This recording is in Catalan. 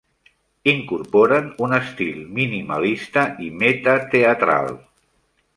Incorporen un estil minimalista i metateatral.